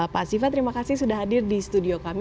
pak ziva terima kasih sudah hadir di studio kami